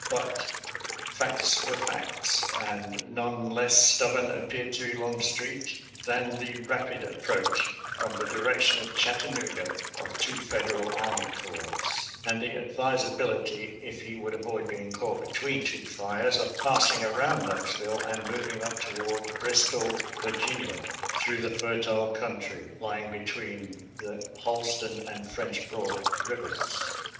But facts were facts, and none less stubborn appeared to Longstreet than the rapid approach from the direction of Chattanooga of two Federal army corps, and the advisability, if he would avoid being caught between two fires, of passing around Knoxville and moving up toward Bristol, Virginia, through the fertile country lying between the Holston and French Broad rivers.